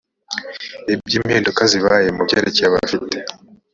iby impinduka zibaye mu byerekeye abafite